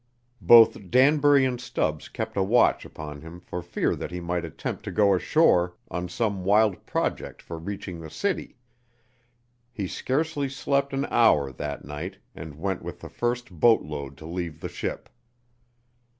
Both Danbury and Stubbs kept a watch upon him for fear that he might attempt to go ashore on some wild project for reaching the city. He scarcely slept an hour that night and went with the first boat load to leave the ship.